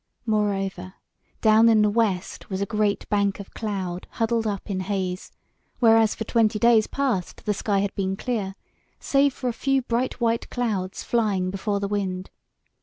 Moreover down in the west was a great bank of cloud huddled up in haze, whereas for twenty days past the sky had been clear, save for a few bright white clouds flying before the wind.